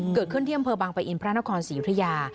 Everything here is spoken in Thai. เกิดขึ้นที่อำเภอบางปะอินพระนครศรียุธยา